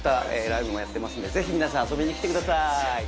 ライブもやってますのでぜひ皆さん遊びに来てください。